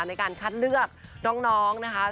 ในการคัดเลือกน้องนะคะ